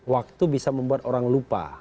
waktu bisa membuat orang lupa